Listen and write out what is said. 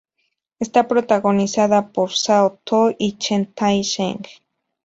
Está protagonizada por Zhao Tao y Chen Tai-sheng.